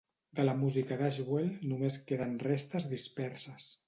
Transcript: De la música d'Ashwell només queden restes disperses.